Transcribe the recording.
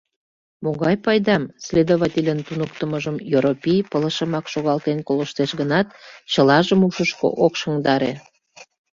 — Могай пайдам? — следовательын туныктымыжым Йоропий пылышымак шогалтен колыштеш гынат, чылажым ушышко ок шыҥдаре.